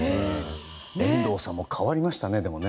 遠藤さんも変わりましたね。